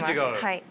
はい。